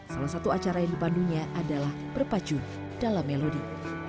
salah satu acara yang dipandunya adalah berpacu dalam melodi